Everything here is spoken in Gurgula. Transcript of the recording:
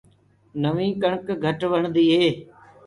نوينٚ ڪڻڪ گھٽ وڻدي هي۔